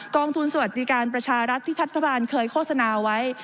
องทุนสวัสดิการประชารัฐที่รัฐบาลเคยโฆษณาไว้